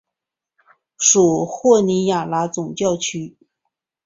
属霍尼亚拉总教区。